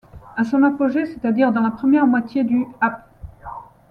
À son apogée, c'est-à-dire dans la première moitié du ap.